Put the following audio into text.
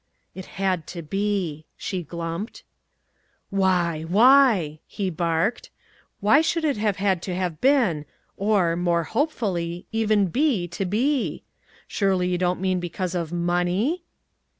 "It had to be," she glumped. "Why, why?" he barked. "Why should it have had to have been or (more hopefully) even be to be? Surely you don't mean because of MONEY?"